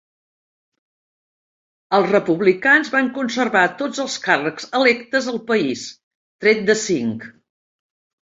Els Republicans van conservar tots els càrrecs electes al país, tret de cinc.